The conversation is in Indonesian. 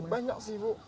banyak sih bu